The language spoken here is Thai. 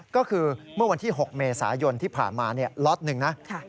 ก็คือเมื่อวันที่๖เมษายนที่ผ่านมาล็อตหนึ่งนะ